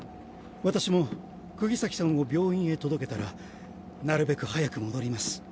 私も釘崎さんを病院へ届けたらなるべく早く戻ります。